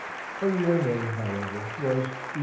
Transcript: Her real name, however, was E.